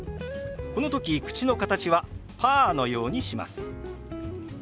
この時口の形はパーのようにします。